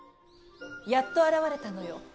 やっと現れたのよ